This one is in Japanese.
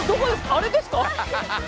あれですか？